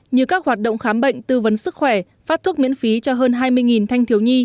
như các hoạt động khám bệnh tư vấn sức khỏe phát thuốc miễn phí cho hơn hai mươi thanh thiếu nhi